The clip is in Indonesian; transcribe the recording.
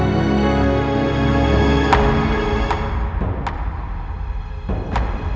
cabut kembali laporannya pak